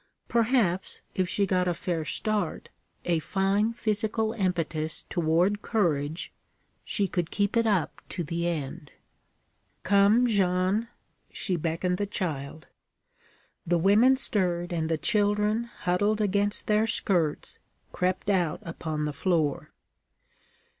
Perhaps, if she got a fair start, a fine physical impetus toward courage, she could keep it up to the end. 'Come, Jeanne.' She beckoned the child. The women stirred, and the children huddled against their skirts crept out upon the floor.